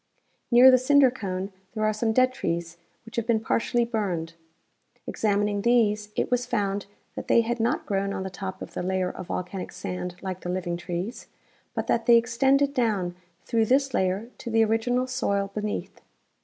Near the cinder cone there are some dead trees which have been partially burned. Examining these it Avas found that they had Halation of the old and new Forest Trees. 95 not grown on the top of the layer of volcanic sand like the living trees, but that they extended down through this layer to the original soil beneath.